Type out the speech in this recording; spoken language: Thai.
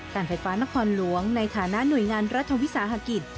การไฟฟ้านครหลวงในฐานะหน่วยงานรัฐวิสาหกิจ